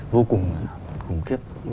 vô cùng khủng khiếp